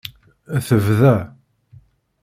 Tebda.